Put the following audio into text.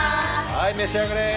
はい召し上がれ。